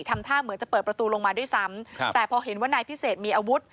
ทำท่าเหมือนจะเปิดประตูลงมาด้วยซ้ำครับแต่พอเห็นว่านายพิเศษมีอาวุธ